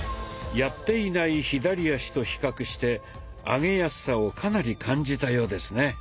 やっていない左足と比較して上げやすさをかなり感じたようですね。